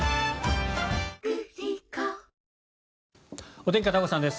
お天気、片岡さんです。